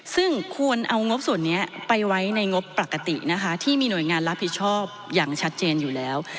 ซึ่งควรเอางบส่วนนี้ไปไว้ในงบปกตินะคะที่มีหน่วยงานรับผิดชอบอย่างชัดเจนอยู่แล้ว